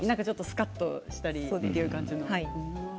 すかっとしたりという感じの。